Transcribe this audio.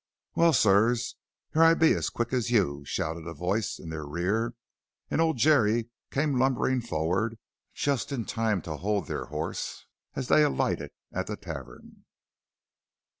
"Well, sirs, here I be as quick as you," shouted a voice in their rear, and old Jerry came lumbering forward, just in time to hold their horse as they alighted at the tavern.